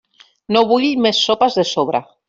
No vull més sopes de sobre.